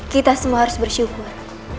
kita semua harus bersyukur